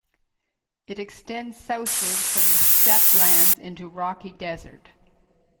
It extends southward from the steppe lands into rocky desert.